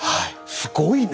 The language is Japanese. すごいね！